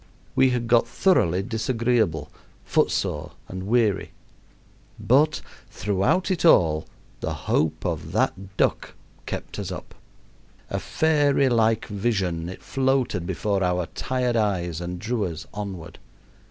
We had got thoroughly disagreeable, footsore, and weary. But throughout it all the hope of that duck kept us up. A fairy like vision, it floated before our tired eyes and drew us onward.